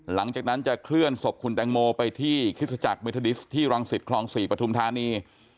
หลังจากนั้นจะเคลื่อนศพคุณแตงโมไปที่คริสตจักรเมทาดิสที่รังสิตคลอง๔ปฐุมธานี